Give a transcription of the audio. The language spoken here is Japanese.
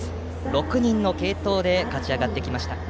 ６人の継投で勝ち上がってきました。